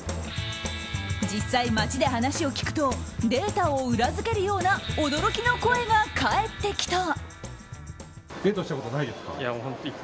実際、街で話を聞くとデータを裏付けるような驚きの声が返ってきた。